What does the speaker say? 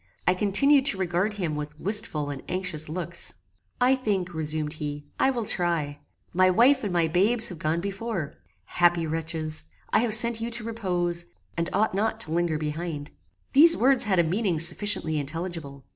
I continued to regard him with wistful and anxious looks. "I think," resumed he, "I will try. My wife and my babes have gone before. Happy wretches! I have sent you to repose, and ought not to linger behind." These words had a meaning sufficiently intelligible.